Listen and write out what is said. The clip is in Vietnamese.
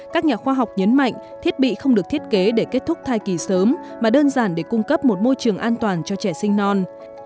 các nhà khoa học nhấn mạnh thiết bị không được thiết kế để kết thúc thai kỳ sớm mà đơn giản để cung cấp một môi trường an toàn cho trẻ sinh non